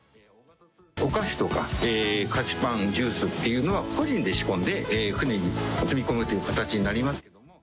お菓子とか菓子パン、ジュースっていうのは、個人で仕込んで船に積み込むという形になります。